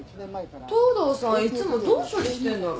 東堂さんいつもどう処理してんだろう？